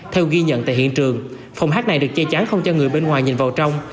theo ghi nhận tại hiện trường phòng hát này được che chắn không cho người bên ngoài nhìn vào trong